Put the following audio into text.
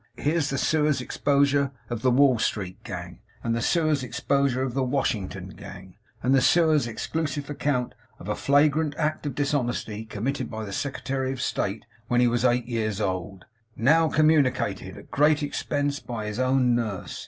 Here's the Sewer's exposure of the Wall Street Gang, and the Sewer's exposure of the Washington Gang, and the Sewer's exclusive account of a flagrant act of dishonesty committed by the Secretary of State when he was eight years old; now communicated, at a great expense, by his own nurse.